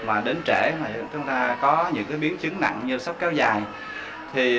mà đến trễ chúng ta có những biến chứng nặng như sốc kéo dài